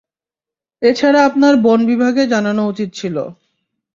এছাড়া আপনার বন বিভাগে জানানো উচিত ছিল।